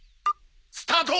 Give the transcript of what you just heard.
スタート！